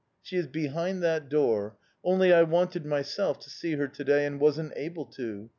"'She is behind that door. Only I wanted, myself, to see her to day and wasn't able to.